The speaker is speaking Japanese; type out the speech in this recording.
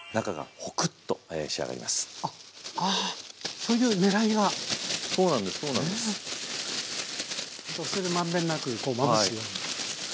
そして満遍なくこうまぶすように。